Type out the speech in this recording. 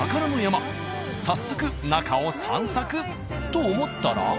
早速中を散策と思ったら。